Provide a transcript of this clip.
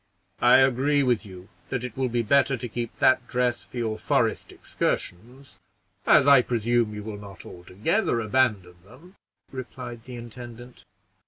"I agree with you that it will be better to keep that dress for your forest excursions, as I presume you will not altogether abandon them," replied the intendant.